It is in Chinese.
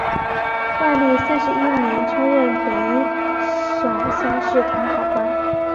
万历三十一年充任本省乡试同考官。